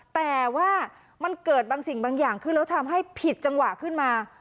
แต่ว่ามันเกิดบางสิ่งบางอย่างขึ้นแล้วทำให้ผิดจังหวะขึ้นมา